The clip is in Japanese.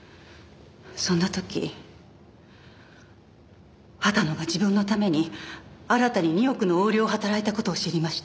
そんな時畑野が自分のために新たに２億の横領を働いた事を知りました。